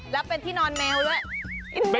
แล้วเป็นที่นอนแมวด้วย